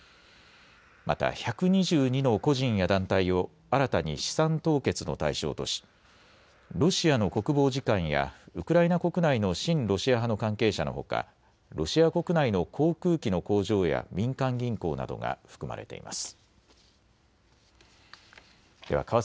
また１２２の個人や団体を新たに資産凍結の対象としロシアの国防次官やウクライナ国内の親ロシア派の関係者のほかロシア国内の航空機の工場や民間銀行などが含まれています。